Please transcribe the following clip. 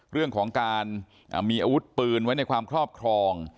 เรื่องของการมีอาวุธปืนไว้ในความครอบครอง